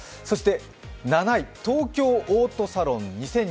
そして７位、東京オートサロン２０２２